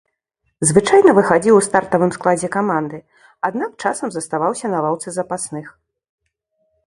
Звычайна выхадзіў у стартавым складзе каманды, аднак часам заставаўся на лаўцы запасных.